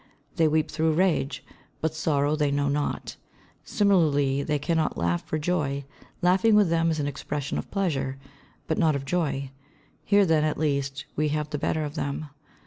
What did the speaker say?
They weep through rage, but sorrow they know not. Similarly, they cannot laugh for joy. Laughing with them is an expression of pleasure, but not of joy. Here then, at least, we have the better of them.